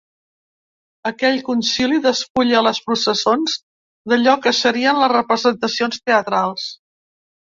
Aquest concili despulla les processons d’allò que serien les representacions teatrals.